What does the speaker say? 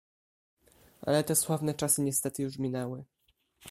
"Ale te sławne czasy niestety już minęły."